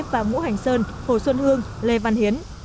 và ngũ hành sơn hồ xuân hương lê văn hiến